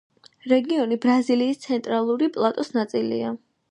რეგიონი ბრაზილიის ცენტრალური პლატოს ნაწილია.